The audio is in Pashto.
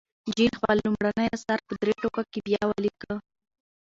جین خپل لومړنی اثر په درې ټوکه کې بیا ولیکه.